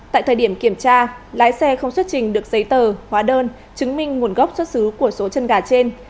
tại thời điểm kiểm tra lái xe không xuất trình được giấy tờ hóa đơn chứng minh nguồn gốc xuất xứ của số chân gà trên